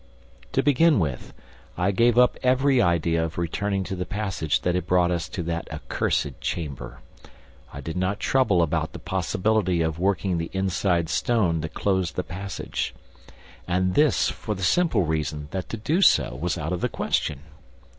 To begin with, I gave up every idea of returning to the passage that had brought us to that accursed chamber. I did not trouble about the possibility of working the inside stone that closed the passage; and this for the simple reason that to do so was out of the question.